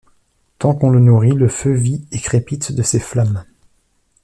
Tant qu’on le nourrit, le feu vit et crépite de ses flammes.